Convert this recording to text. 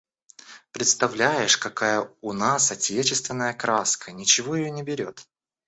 Представляешь, какая у нас отечественная краска, ничего ее не берет.